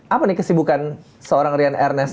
apa nih kesibukan seorang rian ernest